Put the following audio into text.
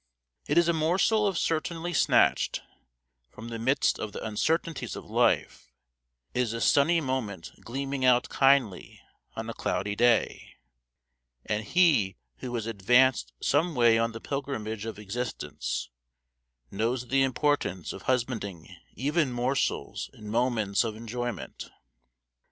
It is a morsel of certainly snatched from the midst of the uncertainties of life; it is a sunny moment gleaming out kindly on a cloudy day: and he who has advanced some way on the pilgrimage of existence knows the importance of husbanding even morsels and moments of enjoyment.